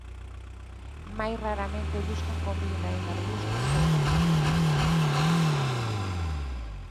Máis raramente buscan comida en arbustos ou no chan.